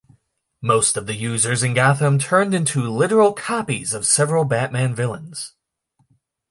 Most of the users in Gotham turned into literal copies of several Batman villains.